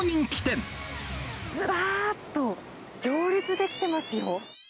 ずらっと行列出来てますよ。